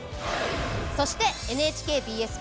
そしてＮＨＫＢＳ